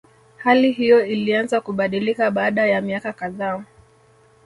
Hali hiyo ilianza kubadilika baada ya miaka kadhaa